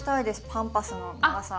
パンパスの長さ。